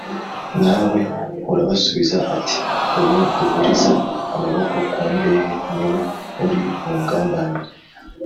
Na we arabasubiza ati “Uwo duhuriza amaboko ku mbehe, ni we uri bungambanire.